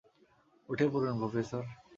উঠে পড়ুন, প্রফেসর।